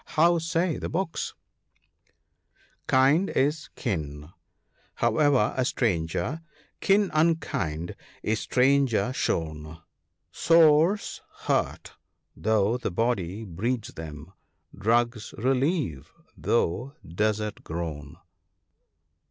" How say the books ?—" Kind is kin, howe'er a stranger — kin unkind is stranger shown ; Sores hurt, though the bpdy breeds them — drugs relieve, though desert grown.